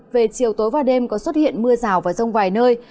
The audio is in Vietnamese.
về chiều tối và đêm có xuất hiện mưa rào và rông vài nơi